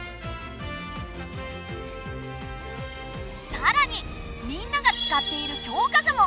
さらにみんなが使っている教科書も！